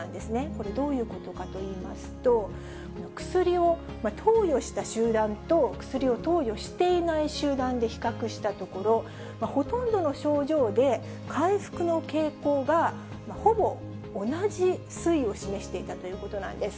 これ、どういうことかといいますと、薬を投与した集団と、薬を投与していない集団で比較したところ、ほとんどの症状で回復の傾向がほぼ同じ推移を示していたということなんです。